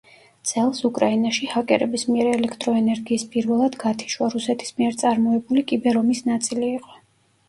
წელს, უკრაინაში ჰაკერების მიერ ელექტროენერგიის პირველად გათიშვა, რუსეთის მიერ წარმოებული კიბერ-ომის ნაწილი იყო.